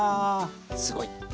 すごい。